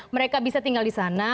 mereka bisa tinggal di sana